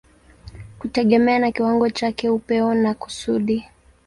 kutegemea na kiwango chake, upeo na kusudi.